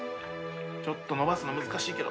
ちょっと伸ばすの難しいけど。